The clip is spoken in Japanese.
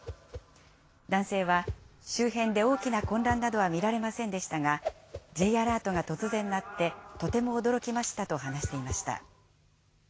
男性は、周辺で大きな混乱などは見られませんでしたが、Ｊアラートが突然鳴って、とても驚きましたと話していました。